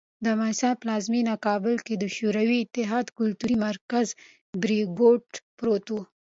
د افغانستان پلازمېنه کابل کې د شوروي اتحاد کلتوري مرکز "بریکوټ" پروت و.